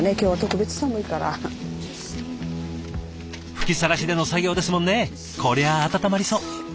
吹きさらしでの作業ですもんねこりゃ温まりそう。